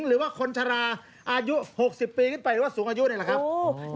หรือว่าคนชะลาอายุ๖๐ปีขึ้นไปหรือว่าสูงอายุนี่แหละครับ